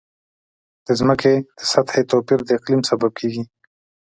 د ځمکې د سطحې توپیر د اقلیم سبب کېږي.